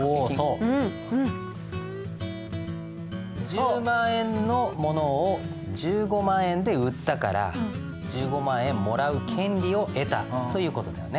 １０万円のものを１５万円で売ったから１５万円もらう権利を得たという事だよね。